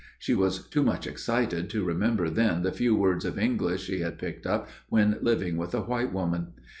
She was too much excited to remember then the few words of English she had picked up when living with the white woman.